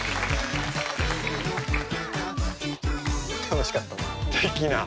楽しかったな。